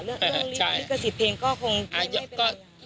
เรื่องลิขสิทธิ์เพลงก็คงไม่เป็นไร